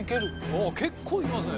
ああ結構いけますね。